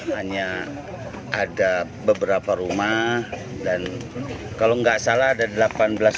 hanya ada beberapa rumah dan kalau nggak salah ada delapan belas